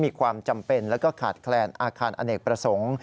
มีความจำเป็นแล้วก็ขาดแคลนอาคารอเนกประสงค์